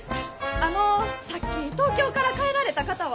あのさっき東京から帰られた方は？